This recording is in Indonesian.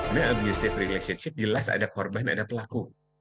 the abusive relationship jelas ada korban ada pelaku